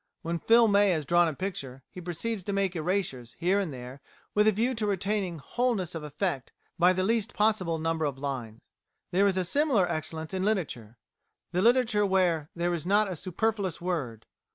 When Phil May has drawn a picture he proceeds to make erasures here and there with a view to retaining wholeness of effect by the least possible number of lines. There is a similar excellence in literature, the literature where "there is not a superfluous word."